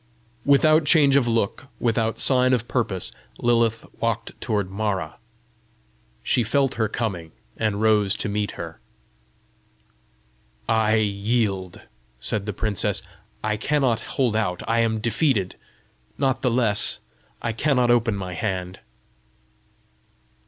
Without change of look, without sign of purpose, Lilith walked toward Mara. She felt her coming, and rose to meet her. "I yield," said the princess. "I cannot hold out. I am defeated. Not the less, I cannot open my hand."